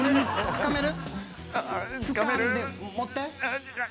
つかめる？